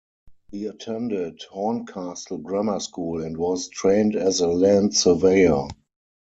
He attended Horncastle Grammar School and was trained as a land surveyor.